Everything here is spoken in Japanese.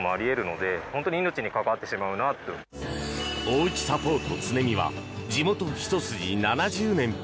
おうちサポートつねみは地元ひと筋７０年。